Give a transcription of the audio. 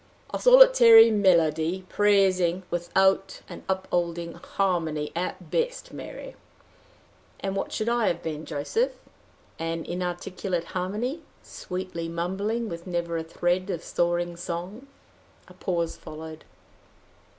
"A solitary melody, praising without an upholding harmony, at best, Mary!" "And what should I have been, Joseph? An inarticulate harmony sweetly mumbling, with never a thread of soaring song!" A pause followed.